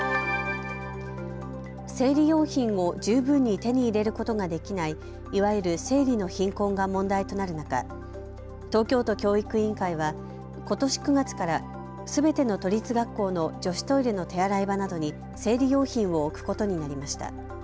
生理用品を十分に手に入れることができない、いわゆる生理の貧困が問題となる中、東京都教育委員会はことし９月からすべての都立学校の女子トイレの手洗い場などに生理用品を置くことになりました。